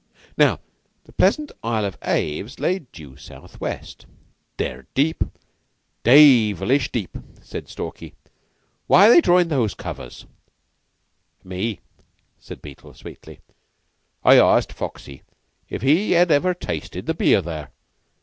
Now, the Pleasant Isle of Aves lay due southwest. "They're deep day vilish deep," said Stalky. "Why are they drawin' those covers?" "Me," said Beetle sweetly. "I asked Foxy if he had ever tasted the beer there.